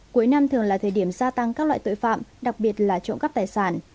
cuối năm thường là thời điểm gia tăng các loại tội phạm đặc biệt là trộm cắp tài sản